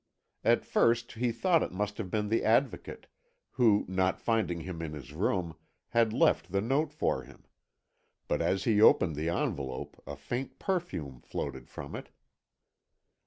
At first he thought it must have been the Advocate, who, not finding him in his room, had left the note for him; but as he opened the envelope a faint perfume floated from it.